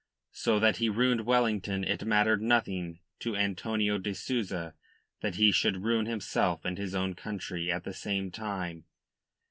So that he ruined Wellington it mattered nothing to Antonio de Souza that he should ruin himself and his own country at the same time.